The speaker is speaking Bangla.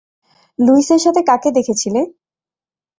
লুইসের সাথে কাকে দেখেছিলে?